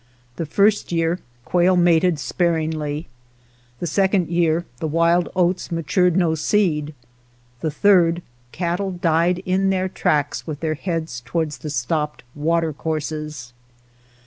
The first year quail mated sparingly ; the second year the wild oats matured no seed ; the third, cattle died in their tracks with their heads towards the stopped watercourses.